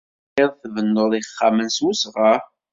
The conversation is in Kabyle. Telliḍ tbennuḍ ixxamen s wesɣar.